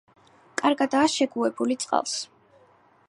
კარგადაა შეგუებული წყალს.